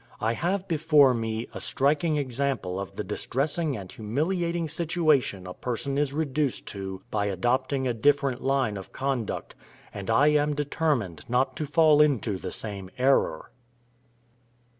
I have before me a striking example of the distressing and humiliating situation a person is reduced to by adopting a different line of conduct, and I am determined not to fall into the same error.